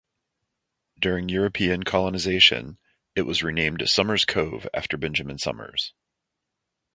During European colonization, it was renamed Somers Cove, after Benjamin Summers.